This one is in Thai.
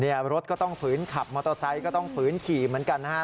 รถก็ต้องฝืนขับมอเตอร์ไซค์ก็ต้องฝืนขี่เหมือนกันนะฮะ